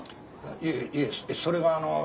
いえいえそれはあのその。